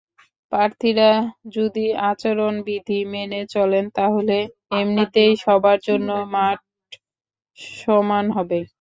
প্রার্থীরা যদি আচরণবিধি মেনে চলেন, তাহলে এমনিতেই সবার জন্য মাঠ সমান হবে।